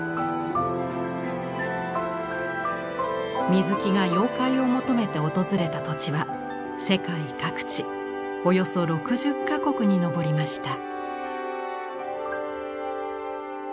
水木が妖怪を求めて訪れた土地は世界各地およそ６０か国に上りました。